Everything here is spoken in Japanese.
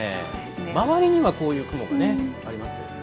周りにはこういう雲ありますけど。